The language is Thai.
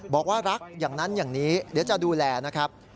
บอกว่ารักอย่างนั้นอย่างนี้เดี๋ยวจะดูแลนะครับ